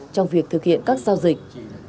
trong việc thực hiện các giao dịch